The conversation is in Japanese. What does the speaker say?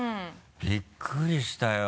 びっくりしたよ。